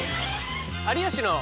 「有吉の」。